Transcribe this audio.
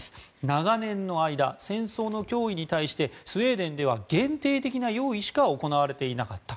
長年の間、戦争の脅威に対してスウェーデンでは限定的な用意しか行われていなかった。